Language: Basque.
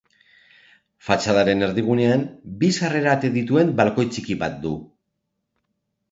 Fatxadaren erdigunean bi sarrera-ate dituen balkoi txiki bat du.